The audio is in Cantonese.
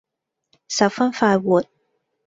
十分快活。